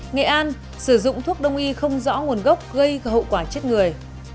nghệ an sử dụng thuốc đông y không rõ nguồn gốc gây hậu quả chết người